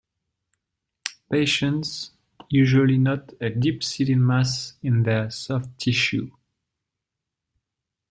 Patients usually note a deep seated mass in their soft tissue.